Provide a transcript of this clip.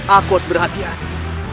aku harus berhati hati